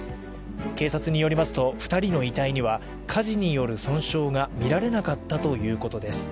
警察によりますと、２人の遺体には火事による損傷が見られなかったということです。